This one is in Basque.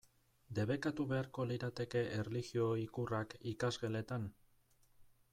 Debekatu beharko lirateke erlijio ikurrak ikasgeletan?